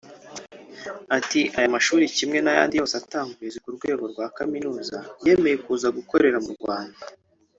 Ati “Aya mashuri kimwe n’andi yose atanga uburezi ku rwego rwa kaminuza yemeye kuza gukorera mu Rwanda